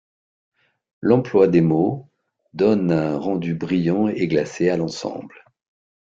L'emploi d'émaux donne un rendu brillant et glacé à l'ensemble.